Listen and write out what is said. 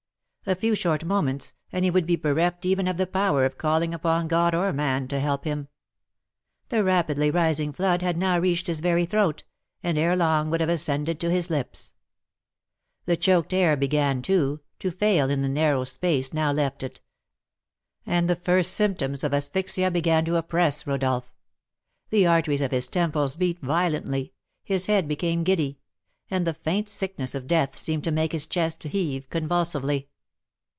A few short moments, and he would be bereft even of the power of calling upon God or man to help him; the rapidly rising flood had now reached his very throat, and ere long would have ascended to his lips. The choked air began, too, to fail in the narrow space now left it, and the first symptoms of asphyxia began to oppress Rodolph; the arteries of his temples beat violently, his head became giddy, and the faint sickness of death seemed to make his chest heave convulsively.